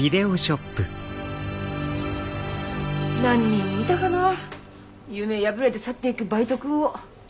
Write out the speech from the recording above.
何人見たかな夢破れて去っていくバイト君を。